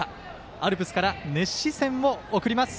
アルプスから熱視線を送ります。